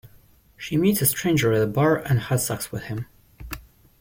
She meets a stranger at a bar and has sex with him.